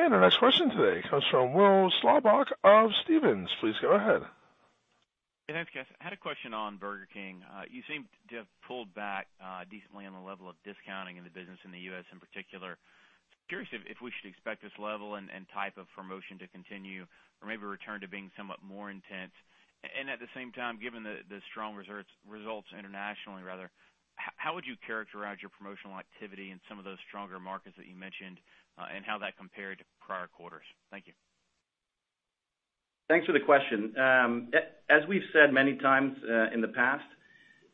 Speaker 1: Our next question today comes from Will Slabaugh of Stephens. Please go ahead.
Speaker 14: Thanks, guys. I had a question on Burger King. You seem to have pulled back decently on the level of discounting in the business in the U.S. in particular. Curious if we should expect this level and type of promotion to continue or maybe return to being somewhat more intense. At the same time, given the strong results internationally, rather How would you characterize your promotional activity in some of those stronger markets that you mentioned, and how that compared to prior quarters? Thank you.
Speaker 3: Thanks for the question. As we've said many times in the past,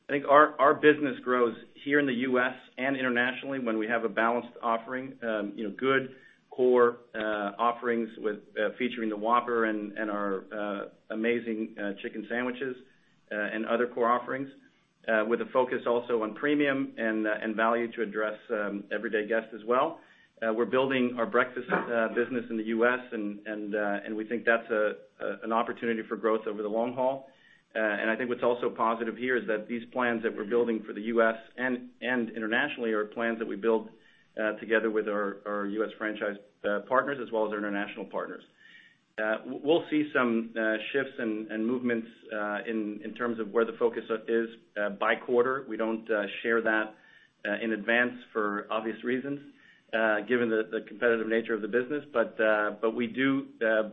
Speaker 3: I think our business grows here in the U.S. and internationally when we have a balanced offering. Good core offerings featuring the Whopper and our amazing chicken sandwiches, and other core offerings, with a focus also on premium and value to address everyday guests as well. We're building our breakfast business in the U.S., and we think that's an opportunity for growth over the long haul. I think what's also positive here is that these plans that we're building for the U.S. and internationally are plans that we build together with our U.S. franchise partners, as well as our international partners. We'll see some shifts and movements in terms of where the focus is by quarter. We don't share that in advance for obvious reasons given the competitive nature of the business. We do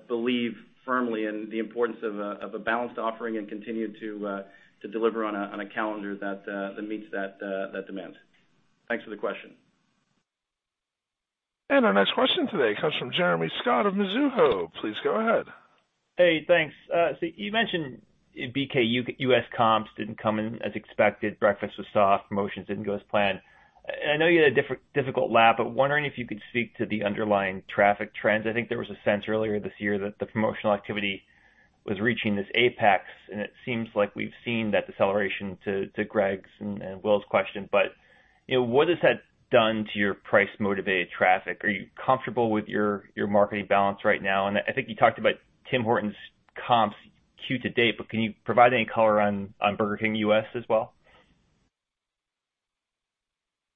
Speaker 3: believe firmly in the importance of a balanced offering and continue to deliver on a calendar that meets that demand. Thanks for the question.
Speaker 1: Our next question today comes from Jeremy Scott of Mizuho. Please go ahead.
Speaker 15: Hey, thanks. You mentioned BK U.S. comps didn't come in as expected. Breakfast was soft. Promotions didn't go as planned. I know you had a difficult lap, but wondering if you could speak to the underlying traffic trends. I think there was a sense earlier this year that the promotional activity was reaching this apex, and it seems like we've seen that deceleration to Gregory Francfort's and Will Slabaugh's question. What has that done to your price-motivated traffic? Are you comfortable with your marketing balance right now? I think you talked about Tim Hortons comps Q to date, but can you provide any color on Burger King U.S. as well?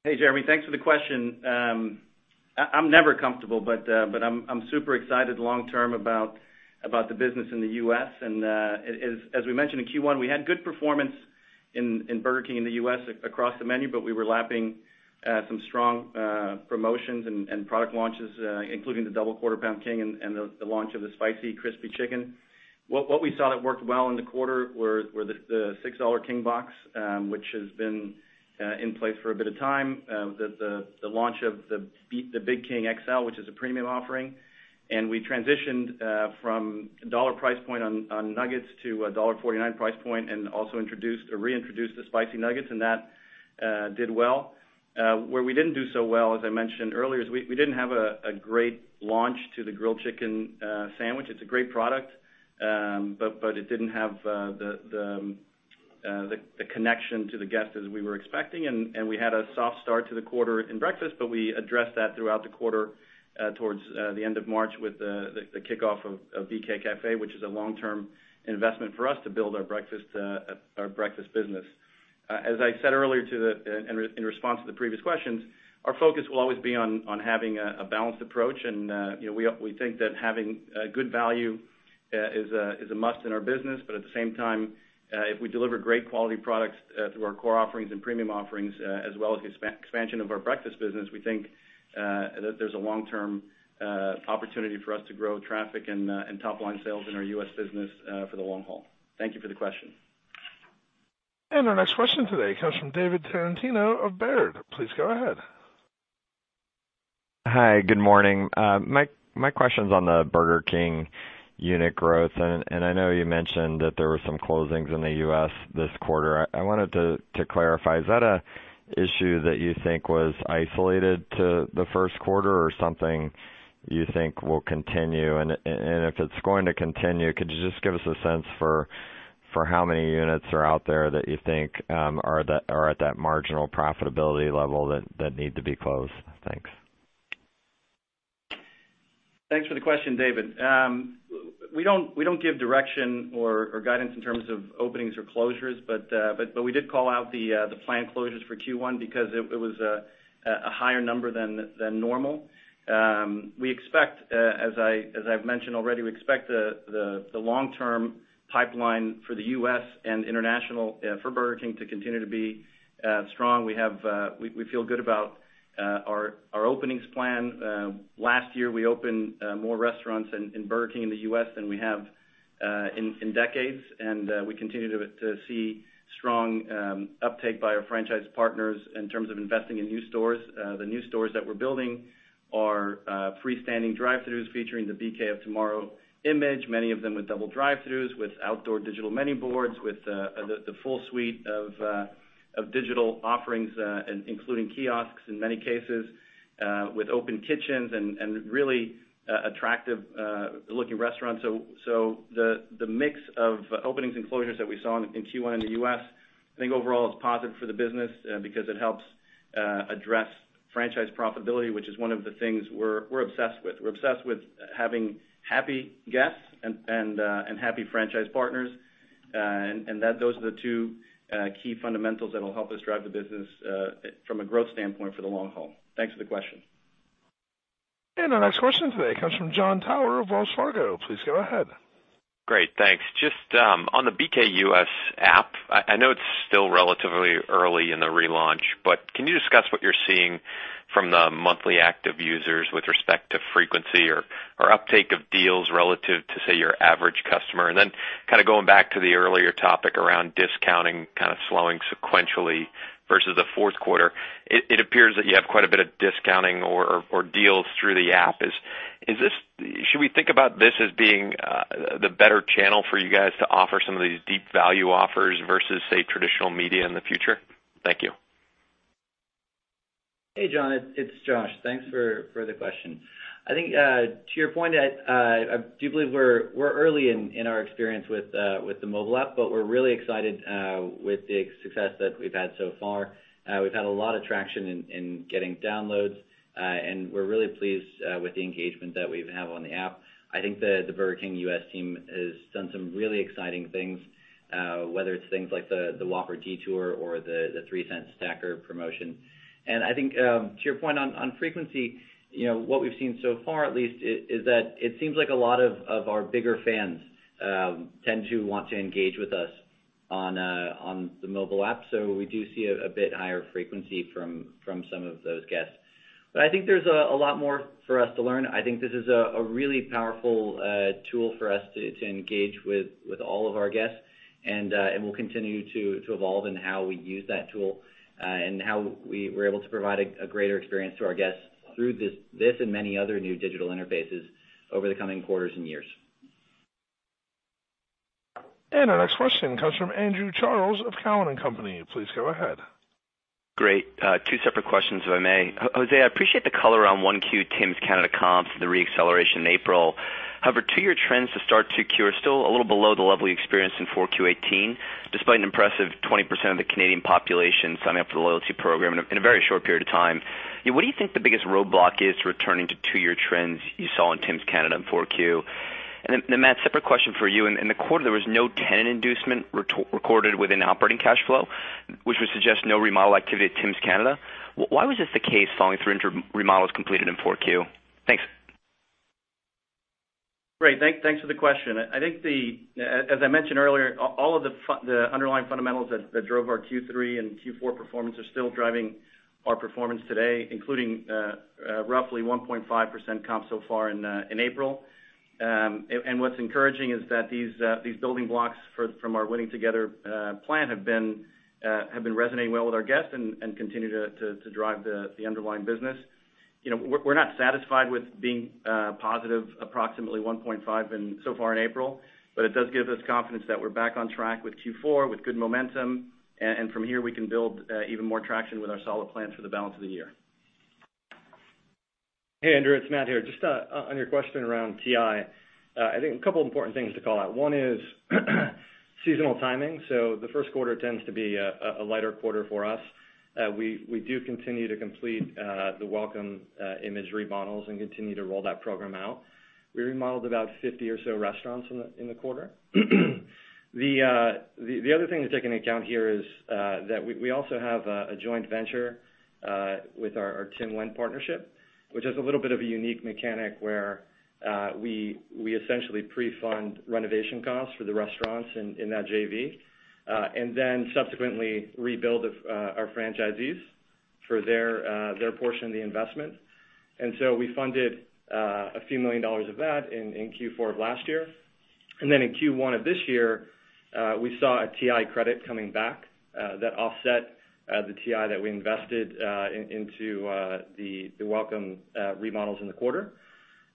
Speaker 3: Hey, Jeremy. Thanks for the question. I'm never comfortable, but I'm super excited long-term about the business in the U.S. As we mentioned in Q1, we had good performance in Burger King in the U.S. across the menu, but we were lapping some strong promotions and product launches, including the Double Quarter Pound King and the launch of the Spicy Crispy Chicken. What we saw that worked well in the quarter were the $6 King Box, which has been in place for a bit of time. The launch of the Big King XL, which is a premium offering. We transitioned from a $1 price point on nuggets to a $1.49 price point and also reintroduced the spicy nuggets, and that did well. Where we didn't do so well, as I mentioned earlier, is we didn't have a great launch to the Grilled Chicken Sandwich. It's a great product, but it didn't have the connection to the guest as we were expecting. We had a soft start to the quarter in breakfast, but we addressed that throughout the quarter towards the end of March with the kickoff of BK Café, which is a long-term investment for us to build our breakfast business. As I said earlier in response to the previous questions, our focus will always be on having a balanced approach. We think that having good value is a must in our business. At the same time, if we deliver great quality products through our core offerings and premium offerings, as well as the expansion of our breakfast business, we think that there's a long-term opportunity for us to grow traffic and top-line sales in our U.S. business for the long haul. Thank you for the question.
Speaker 1: Our next question today comes from David Tarantino of Baird. Please go ahead.
Speaker 16: Hi. Good morning. My question's on the Burger King unit growth. I know you mentioned that there were some closings in the U.S. this quarter. I wanted to clarify, is that an issue that you think was isolated to the first quarter or something you think will continue? If it's going to continue, could you just give us a sense for how many units are out there that you think are at that marginal profitability level that need to be closed? Thanks.
Speaker 3: Thanks for the question, David. We don't give direction or guidance in terms of openings or closures, but we did call out the planned closures for Q1 because it was a higher number than normal. As I've mentioned already, we expect the long-term pipeline for the U.S. and international for Burger King to continue to be strong. We feel good about our openings plan. Last year, we opened more restaurants in Burger King in the U.S. than we have in decades. We continue to see strong uptake by our franchise partners in terms of investing in new stores. The new stores that we're building are freestanding drive-throughs featuring the BK of Tomorrow image, many of them with double drive-throughs, with outdoor digital menu boards, with the full suite of digital offerings, including kiosks in many cases, with open kitchens and really attractive-looking restaurants. The mix of openings and closures that we saw in Q1 in the U.S., I think overall is positive for the business because it helps address franchise profitability, which is one of the things we're obsessed with. We're obsessed with having happy guests and happy franchise partners. Those are the two key fundamentals that'll help us drive the business from a growth standpoint for the long haul. Thanks for the question.
Speaker 1: Our next question today comes from Jon Tower of Wells Fargo. Please go ahead.
Speaker 17: Great. Thanks. Just on the Burger King U.S. app, I know it's still relatively early in the relaunch, but can you discuss what you're seeing from the monthly active users with respect to frequency or uptake of deals relative to, say, your average customer? Then going back to the earlier topic around discounting slowing sequentially versus the fourth quarter, it appears that you have quite a bit of discounting or deals through the app. Should we think about this as being the better channel for you guys to offer some of these deep value offers versus, say, traditional media in the future? Thank you.
Speaker 6: Hey, John, it's Josh. Thanks for the question. I think, to your point, I do believe we're early in our experience with the mobile app, but we're really excited with the success that we've had so far. We've had a lot of traction in getting downloads, and we're really pleased with the engagement that we have on the app. I think the Burger King U.S. team has done some really exciting things, whether it's things like the Whopper Detour or the 3 Cent Stacker promotion. I think, to your point on frequency, what we've seen so far at least, is that it seems like a lot of our bigger fans tend to want to engage with us on the mobile app. We do see a bit higher frequency from some of those guests. I think there's a lot more for us to learn. I think this is a really powerful tool for us to engage with all of our guests, and we'll continue to evolve in how we use that tool and how we're able to provide a greater experience to our guests through this and many other new digital interfaces over the coming quarters and years.
Speaker 1: Our next question comes from Andrew Charles of Cowen and Company. Please go ahead.
Speaker 18: Great. Two separate questions, if I may. Jose, I appreciate the color on 1Q Tim's Canada comps, the re-acceleration in April. However, two-year trends to start 2Q are still a little below the level you experienced in 4Q 2018, despite an impressive 20% of the Canadian population signing up for the Tims Rewards program in a very short period of time. What do you think the biggest roadblock is to returning to two-year trends you saw in Tim's Canada in 4Q? Matt, separate question for you. In the quarter, there was no tenant inducement recorded within operating cash flow, which would suggest no remodel activity at Tim's Canada. Why was this the case following through remodels completed in 4Q? Thanks.
Speaker 3: Great. Thanks for the question. I think as I mentioned earlier, all of the underlying fundamentals that drove our Q3 and Q4 performance are still driving our performance today, including roughly 1.5% comp so far in April. What's encouraging is that these building blocks from our Winning Together plan have been resonating well with our guests and continue to drive the underlying business. We're not satisfied with being positive approximately 1.5% so far in April, it does give us confidence that we're back on track with Q4, with good momentum, from here we can build even more traction with our solid plans for the balance of the year.
Speaker 4: Hey, Andrew, it's Matt here. Just on your question around TI, I think a couple important things to call out. One is seasonal timing. The first quarter tends to be a lighter quarter for us. We do continue to complete the Welcome Image remodels and continue to roll that program out. We remodeled about 50 or so restaurants in the quarter. The other thing to take into account here is that we also have a joint venture with our Tim Hortons partnership, which is a little bit of a unique mechanic where we essentially pre-fund renovation costs for the restaurants in that JV, subsequently rebuild our franchisees for their portion of the investment. We funded a few million USD of that in Q4 of last year.
Speaker 6: In Q1 of this year, we saw a TI credit coming back that offset the TI that we invested into the Welcome Image remodels in the quarter.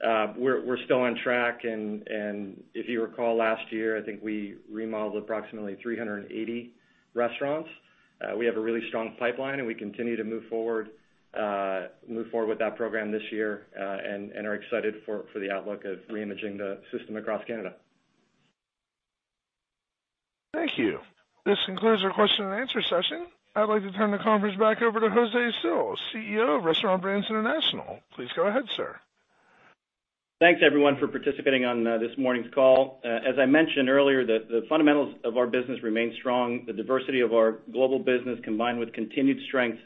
Speaker 6: We're still on track, if you recall, last year, I think we remodeled approximately 380 restaurants. We have a really strong pipeline, we continue to move forward with that program this year, are excited for the outlook of reimaging the system across Canada.
Speaker 1: Thank you. This concludes our question and answer session. I'd like to turn the conference back over to Jose Cil, CEO of Restaurant Brands International. Please go ahead, sir.
Speaker 3: Thanks everyone for participating on this morning's call. As I mentioned earlier, the fundamentals of our business remain strong. The diversity of our global business, combined with continued strength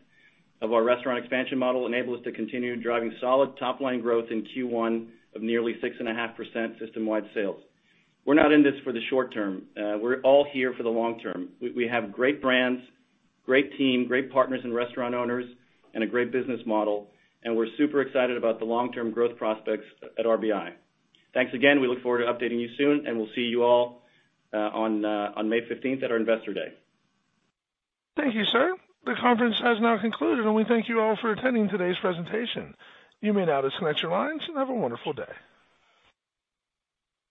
Speaker 3: of our restaurant expansion model, enable us to continue driving solid top-line growth in Q1 of nearly 6.5% system-wide sales. We're not in this for the short term. We're all here for the long term. We have great brands, great team, great partners and restaurant owners, and a great business model, and we're super excited about the long-term growth prospects at RBI. Thanks again. We look forward to updating you soon, and we'll see you all on May 15th at our Investor Day.
Speaker 1: Thank you, sir. The conference has now concluded, and we thank you all for attending today's presentation. You may now disconnect your lines, and have a wonderful day.